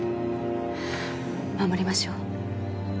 守りましょう。